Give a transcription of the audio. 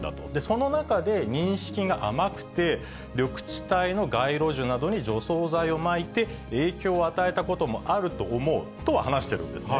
その中で認識が甘くて、緑地帯の街路樹などに除草剤をまいて、影響を与えたこともあると思うと話してるんですね。